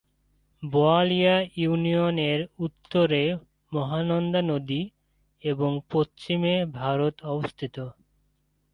Boalia union এর উত্তরে মহানন্দা নদী এবং পশ্চিমে ভারত অবস্থিত।